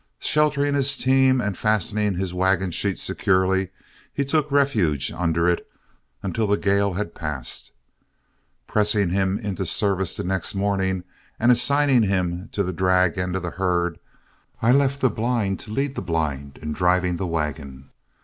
Sheltering his team, and fastening his wagon sheet securely, he took refuge under it until the gale had passed. Pressing him into the service the next morning, and assigning him to the drag end of the herd, I left the blind to lead the blind in driving the wagon.